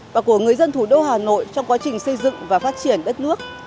và của người dân thủ đô hà nội trong quá trình xây dựng và phát triển đất nước